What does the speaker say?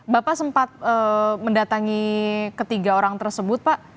bapak sempat mendatangi ketiga orang tersebut pak